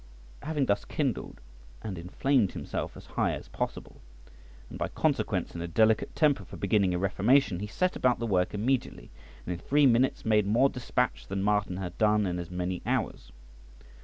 Having thus kindled and inflamed himself as high as possible, and by consequence in a delicate temper for beginning a reformation, he set about the work immediately, and in three minutes made more dispatch than Martin had done in as many hours.